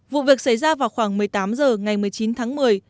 vụ việc xảy ra vào khoảng một mươi tám h ngày một mươi chín tháng một mươi